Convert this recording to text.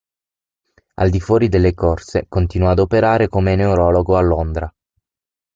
Al di fuori delle corse, continuò ad operare come neurologo a Londra.